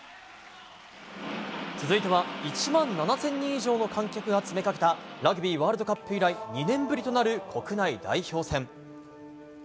続いては１万７０００人以上の観客が詰めかけたラグビーワールドカップ以来２年ぶりとなる国内代表戦。